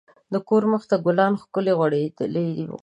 د کور مخ ته ګلان ښکلي غوړیدلي وو.